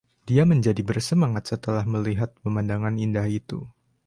Dia menjadi bersemangat setelah melihat pemandangan indah itu.